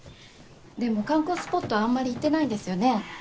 でも観光スポットはあんまり行ってないんですよね？